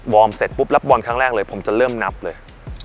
เสร็จปุ๊บรับบอลครั้งแรกเลยผมจะเริ่มนับเลย